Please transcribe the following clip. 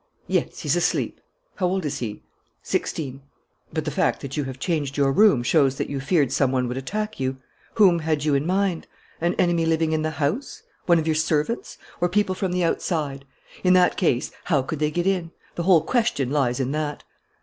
"Yes, he's asleep." "How old is he?" "Sixteen." "But the fact that you have changed your room shows that you feared some one would attack you. Whom had you in mind? An enemy living in the house? One of your servants? Or people from the outside? In that case, how could they get in? The whole question lies in that."